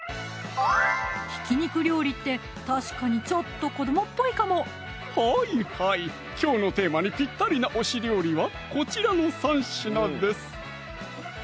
ひき肉料理って確かにちょっと子どもっぽいかもはいはいきょうのテーマにピッタリな推し料理はこちらの３品です